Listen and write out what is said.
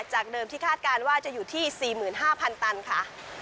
จากเดิมที่คาดการณ์ว่าจะอยู่ที่๔๕๐๐ตันค่ะ